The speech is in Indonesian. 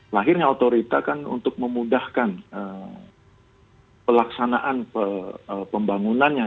lahirnya otorita kan untuk memudahkan pelaksanaan pembangunannya